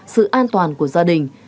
sự an toàn của gia đình